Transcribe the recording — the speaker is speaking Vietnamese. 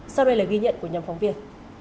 sau đây là ghi nhận của nhóm phóng viên